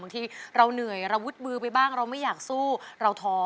ที่เราเหนื่อยเราวุดมือไปบ้างเราไม่อยากสู้เราท้อ